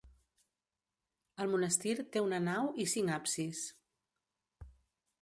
El monestir té una nau i cinc absis.